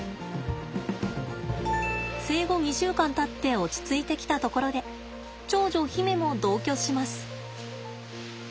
生後２週間たって落ち着いてきたところで長女媛も同居します。